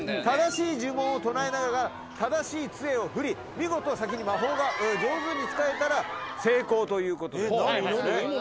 正しい呪文を唱えながら正しいつえを振り見事先に魔法が上手に使えたら成功ということでございますね。